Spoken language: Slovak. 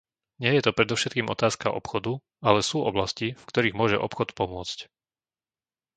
Nie je to predovšetkým otázka obchodu, ale sú oblasti, v ktorých môže obchod pomôcť.